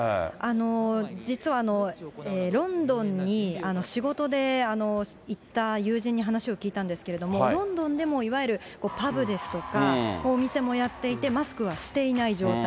実はロンドンに仕事で行った友人に話を聞いたんですけれども、ロンドンでもいわゆるパブですとか、お店もやっていて、マスクはしていない状態。